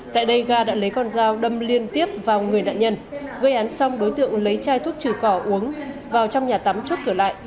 tại đây ga đã lấy con dao đâm liên tiếp vào người nạn nhân gây án xong đối tượng lấy chai thuốc trừ cỏ uống vào trong nhà tắm chốt cửa lại